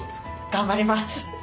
頑張ります！